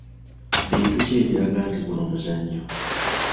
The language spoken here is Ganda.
Bintu ki ebiraga nti guno muzannyo?